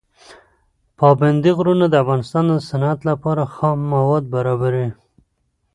پابندي غرونه د افغانستان د صنعت لپاره خام مواد برابروي.